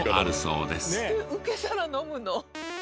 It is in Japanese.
受け皿飲むの？